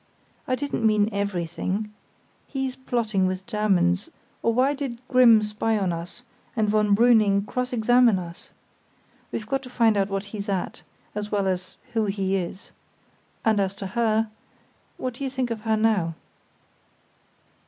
I didn't mean 'everything'. He's plotting with Germans, or why did Grimm spy on us, and von Brüning cross examine us? We've got to find out what he's at, as well as who he is. And as to her—what do you think of her now?"